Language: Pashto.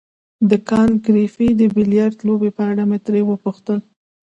د کانت ګریفي د بیلیارډ لوبې په اړه مې ترې وپوښتل.